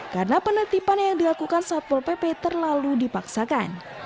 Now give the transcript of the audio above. karena penertipan yang dilakukan satpol pp terlalu dipaksakan